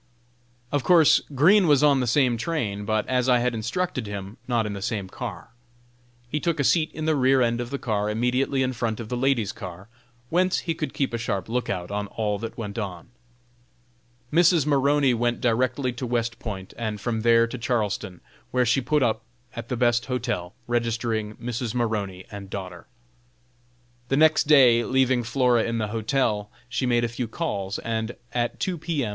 Of course Green was on the same train, but, as I had instructed him, not in the same car. He took a seat in the rear end of the car immediately in front of the ladies' car, whence he could keep a sharp lookout on all that went on. Mrs. Maroney went directly to West Point, and from there to Charleston, where she put up at the best hotel, registering "Mrs. Maroney and daughter." The next day, leaving Flora in the hotel, she made a few calls, and at two P. M.